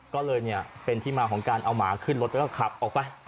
ก็เลยเนี่ยเป็นที่มาของการเอาหมาขึ้นรถแล้วก็ขับออกไป